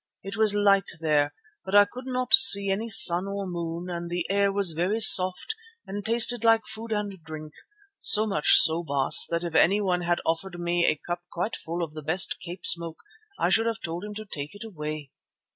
It was light there, but I could not see any sun or moon, and the air was very soft and tasted like food and drink, so much so, Baas, that if anyone had offered me a cup quite full of the best 'Cape smoke' I should have told him to take it away.